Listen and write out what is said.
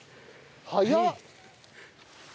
早っ！